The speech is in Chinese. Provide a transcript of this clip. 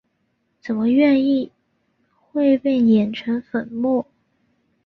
怎么愿意会被碾成粉末？